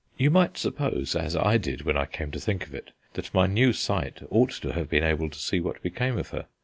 You might suppose (as I did, when I came to think of it) that my new sight ought to have been able to see what became of her.